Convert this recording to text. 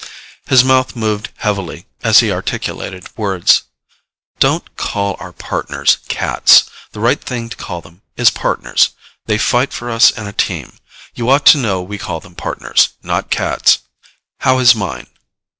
His mouth moved heavily as he articulated words, "Don't call our Partners cats. The right thing to call them is Partners. They fight for us in a team. You ought to know we call them Partners, not cats. How is mine?"